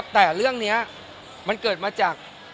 แต่เรื่องนี้มันเกิดมาจาก